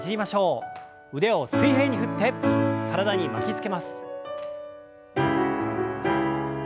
腕を水平に振って体に巻きつけます。